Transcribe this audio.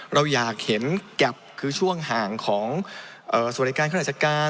เราอยากเห็นแก่บคือช่วงห่างของสวรรยาการเข้าหนักจัดการ